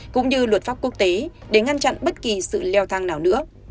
cũng như luật pháp quốc tế để ngăn chặn bất kỳ sự leo thang nào nữa